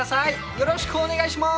よろしくお願いします！